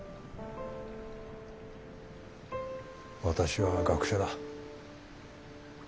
私は学者だ。